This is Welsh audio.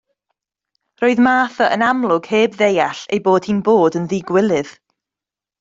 Roedd Martha yn amlwg heb ddeall ei bod hi'n bod yn ddigywilydd.